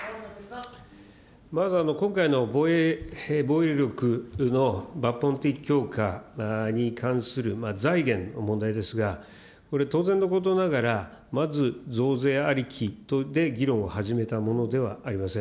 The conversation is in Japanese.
まず今回の防衛力の抜本的強化に関する財源の問題ですが、これ当然のことながら、まず増税ありきで議論を始めたものではありません。